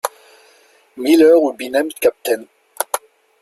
Miller would be named captain.